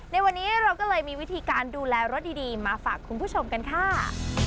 ในวันนี้เราก็เลยมีวิธีการดูแลรถดีมาฝากคุณผู้ชมกันค่ะ